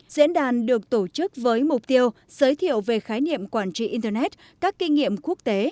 diễn đàn được tổ chức với mục tiêu giới thiệu về khái niệm quản trị internet các kinh nghiệm quốc tế